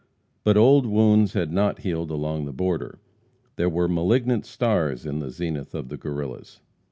But old wounds had not healed along the border. There were malignant stars in the zenith of the Guerrillas.